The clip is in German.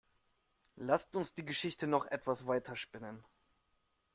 Lasst uns die Geschichte noch etwas weiter spinnen.